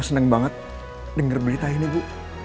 seneng banget denger berita ini bu